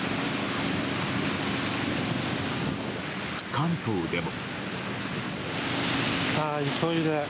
関東でも。